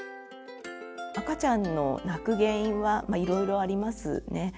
赤ちゃんの泣く原因はいろいろありますね。